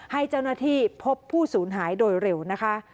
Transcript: ให้เจ้าหน้าที่พบผู้สูญหายโดยเร็วนะคะ